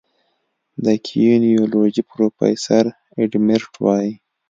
د کینیزیولوژي پروفیسور ایډ میرټ وايي